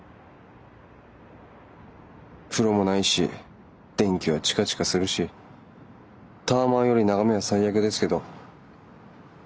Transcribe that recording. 風呂もないし電気はチカチカするしタワマンより眺めは最悪ですけど。